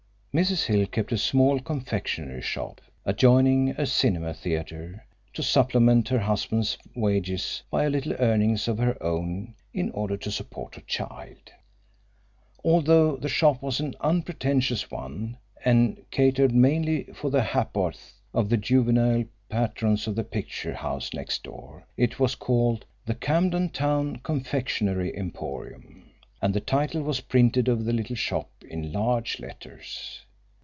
Mrs. Hill kept a small confectionery shop adjoining a cinema theatre to supplement her husband's wages by a little earnings of her own in order to support her child. Although the shop was an unpretentious one, and catered mainly for the ha'p'orths of the juvenile patrons of the picture house next door, it was called "The Camden Town Confectionery Emporium," and the title was printed over the little shop in large letters.